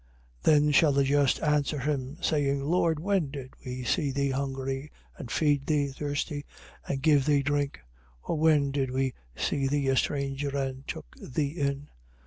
25:37. Then shall the just answer him, saying: Lord, when did we see thee hungry and fed thee: thirsty and gave thee drink? 25:38. Or when did we see thee a stranger and took thee in?